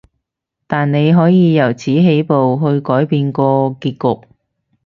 但你可以由此起步，去改變個結局